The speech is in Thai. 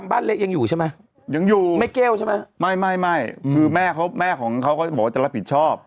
บ้านเล็กยังอยู่ใช่มั้ยยังอยู่ไม่เกล้วใช่มั้ยไม่ไม่ไม่คือแม่เขาแม่ของเขาก็บอกว่าจะรับผิดชอบ